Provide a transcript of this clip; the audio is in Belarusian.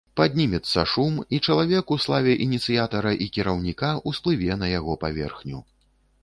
Паднімецца шум, і чалавек, у славе ініцыятара і кіраўніка, усплыве на яго паверхню.